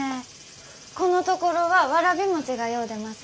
このところはわらび餅がよう出ます。